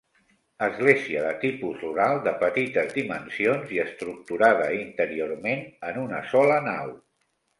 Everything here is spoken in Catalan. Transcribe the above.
Església de tipus rural, de petites dimensions i estructurada interiorment en una sola nau.